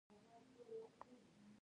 د اطفائیې اداره اور وژني